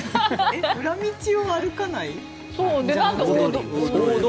えっ、裏道を歩かない？